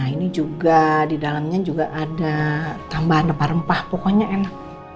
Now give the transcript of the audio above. ini juga di dalamnya juga ada tambahan rempah rempah pokoknya enak